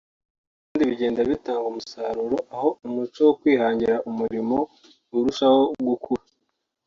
kandi bigenda bitanga umusaruro aho umuco wo kwihangira imirimo urushaho gukura